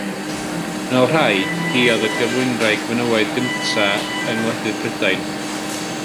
Yn ôl rhai, hi oedd y gyflwynwraig fenywaidd cyntaf yng ngwledydd Prydain.